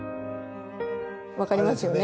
分かりますよね